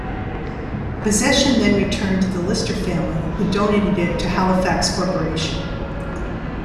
Possession then returned to the Lister family, who donated it to Halifax Corporation.